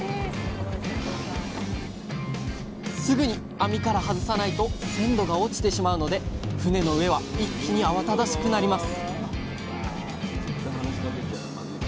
すぐに網から外さないと鮮度が落ちてしまうので船の上は一気に慌ただしくなります